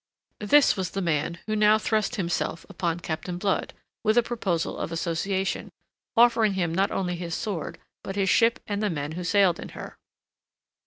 This was the man who now thrust himself upon Captain Blood with a proposal of association, offering him not only his sword, but his ship and the men who sailed in her.